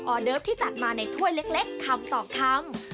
เดิฟที่จัดมาในถ้วยเล็กคำต่อคำ